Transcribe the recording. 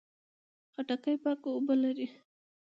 خټکی پاکه اوبه لري.